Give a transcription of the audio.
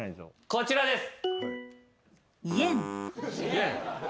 こちらです。